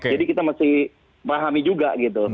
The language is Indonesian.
jadi kita mesti pahami juga